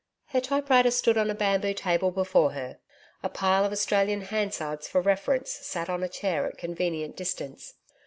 Her typewriter stood on a bamboo table before her. A pile of Australian Hansards for reference sat on a chair at convenient distance.